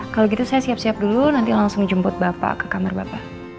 kalau gitu saya siap siap dulu nanti langsung jemput bapak ke kamar bapak